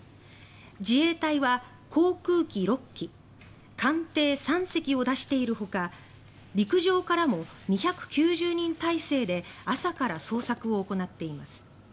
自衛隊は航空機６機艦艇３隻を出しているほか陸上からも２９０人態勢で朝から捜索を行っています。